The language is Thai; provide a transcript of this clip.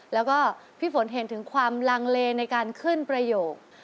แล้วก็พี่ฝนเห็นถึงความลังเลในการขึ้นประโยค